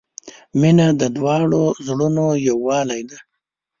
• مینه د دواړو زړونو یووالی دی.